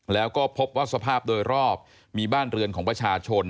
แล้วก็พบว่าสภาพโดยรอบมีบ้านเรือนของประชาชน